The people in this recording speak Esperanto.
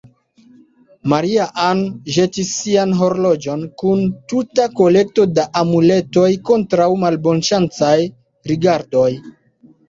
Maria-Ann ĵetis sian horloĝon, kun tuta kolekto da amuletoj kontraŭ malbonŝancaj rigardoj.